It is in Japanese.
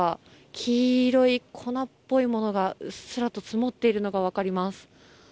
黄色い粉っぽいものがうっすらと積もっているのが分かります。